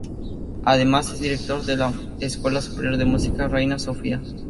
Además es director de la Escuela Superior de Música Reina Sofía.